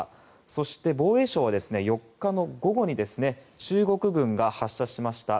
そして防衛省は、４日の午後に中国軍が発射しました